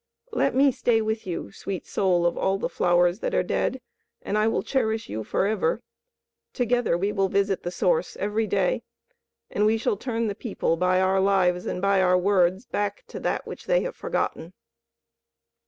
Let me stay with you, sweet soul of all the flowers that are dead, and I will cherish you forever. Together we will visit the Source every day; and we shall turn the people, by our lives and by our words, back to that which they have forgotten."